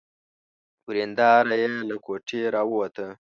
ورېندار يې له کوټې را ووته.